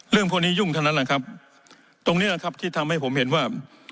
พวกนี้ยุ่งเท่านั้นแหละครับตรงนี้แหละครับที่ทำให้ผมเห็นว่า